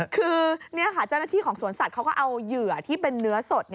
คือนี่ค่ะเจ้าหน้าที่ของสวนสัตว์เขาก็เอาเหยื่อที่เป็นเนื้อสด